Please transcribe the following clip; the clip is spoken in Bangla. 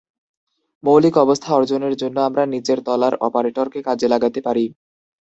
মৌলিক অবস্থা অর্জনের জন্য আমরা নিচের তলার অপারেটরকে কাজে লাগাতে পারি।